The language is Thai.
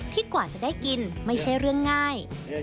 กว่าจะได้กินไม่ใช่เรื่องง่าย